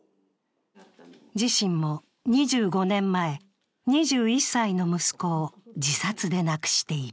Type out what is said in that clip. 自身も２５年前、２１歳の息子を自殺で亡くしている。